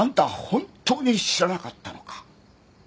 本当に知らなかったのか？